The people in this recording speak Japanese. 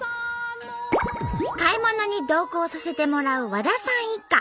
買い物に同行させてもらう和田さん一家。